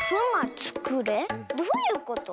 どういうこと？